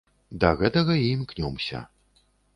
Да гэтага і імкнёмся.